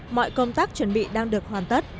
mọi công tác chuẩn bị đang được hoàn tất